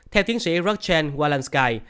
theo tiến sĩ rochelle walensky